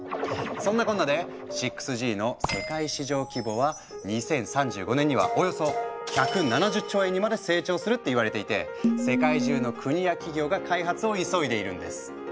そんなこんなで６Ｇの世界市場規模は２０３５年にはおよそ１７０兆円にまで成長するって言われていて世界中の国や企業が開発を急いでいるんです。